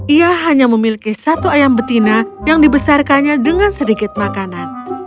ia hanya memiliki satu ayam betina yang dibesarkannya dengan sedikit makanan